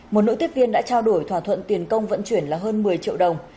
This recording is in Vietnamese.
một nữ tiếp viên đã trao đổi thỏa thuận tiền công vận chuyển là hơn một mươi triệu đồng